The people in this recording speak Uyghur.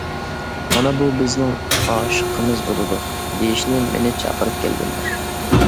«مانا بۇ بىزنىڭ ئاشىقىمىز بولىدۇ» دېيىشنى مېنى چاقىرىپ كەلگەنلەر.